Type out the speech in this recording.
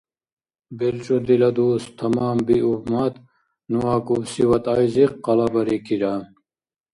БелчӀудила дус таманбиубмад, ну акӀубси ватӀайзи къалабарикира.